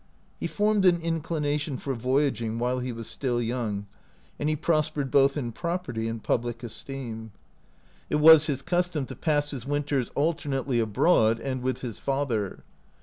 He formed an inclination for voy aging while he was still young, and he prospered both in property and public esteem. It was his custom to pass his winters alternately abroad and with his father.